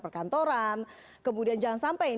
perkantoran kemudian jangan sampai